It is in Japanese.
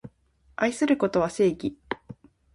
愛することは正義